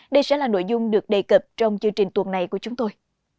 đây sẽ là nội dung được đề cập trong chương trình tuần này của chúng tôi